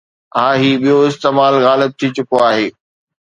ها، هي ٻيو استعمال غالب ٿي چڪو آهي